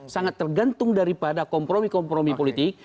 sangat tergantung daripada kompromi kompromi politik